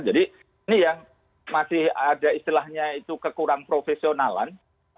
jadi ini yang masih ada istilahnya itu kekurang profesionalan